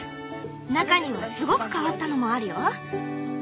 中にはすごく変わったのもあるよ。